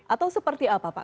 atau seperti apa pak